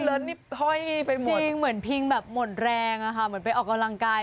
ห้อยอย่างงี้เป็นเหมือนเพียงแบบหมดแรงอะค่ะเหมือนไปยอกกำลังกาย